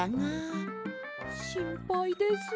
しんぱいです。